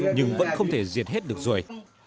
nhưng vẫn không thể diệt hết được rùi